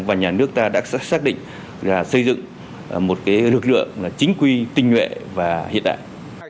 trong đó lực lượng cảnh sát cơ động là một trong những lực lượng chính quy tinh nguyện và hiện đại